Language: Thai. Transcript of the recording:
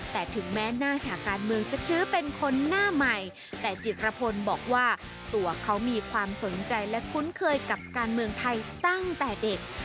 แต่ถึงแม้หน้าฉากการเมืองจะถือเป็นคนหน้าใหม่แต่จิตรพลบอกว่าตัวเขามีความสนใจและคุ้นเคยกับการเมืองไทยตั้งแต่เด็ก